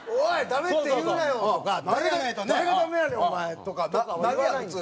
ダメって言うなよ」とか「誰がダメやねんお前」とか。なるやん普通。